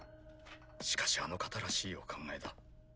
しかしあの方らしいお考えだ。